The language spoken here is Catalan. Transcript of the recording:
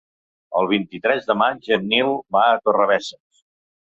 El vint-i-tres de maig en Nil va a Torrebesses.